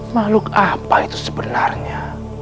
makhluk apa itu sebenarnya